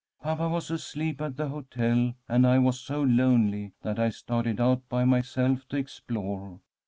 Papa was asleep at the hotel, and I was so lonely that I started out by myself to explore.